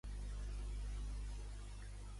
Qui va impulsar la beatificació de Josepa?